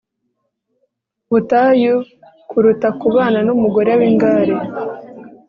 butayu kuruta kubana n umugore w ingare